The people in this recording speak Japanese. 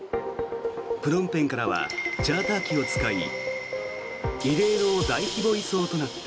プノンペンからはチャーター機を使い異例の大規模移送となった。